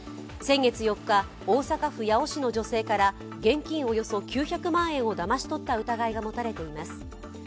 先月４日、大阪府八尾市の女性から現金およそ９００万円をだまし取った疑いが持たれています。